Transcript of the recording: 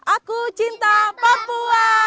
aku cinta papua